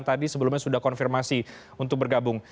kita sudah sudah mengambil konfirmasi untuk bergabung